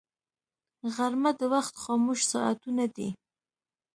غرمه د وخت خاموش ساعتونه دي